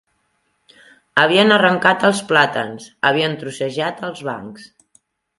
Havien arrencat els plàtans, havien trocejat els bancs